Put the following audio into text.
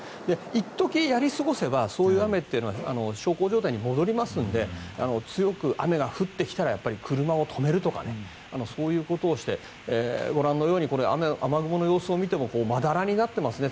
一時やり過ごせば、そういう雨は小康状態に戻りますので強く雨が降ってきたらやっぱり車を止めるとかそういうことをしてご覧のように雨雲の様子を見てもまだらになっていますね。